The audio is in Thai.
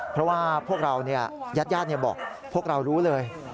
เพราะว่าพวกเราเนี่ยยาดบอกพวกเรารู้เลย